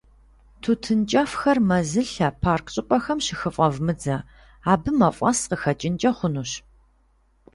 Тутын кӀэфхэр мэзылъэ, парк щӀыпӀэхэм щыхыфӀэвмыдзэ, абы мафӏэс къыхэкӏынкӏэ хъунущ.